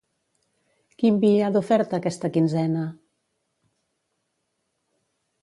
Quin vi hi ha d'oferta aquesta quinzena?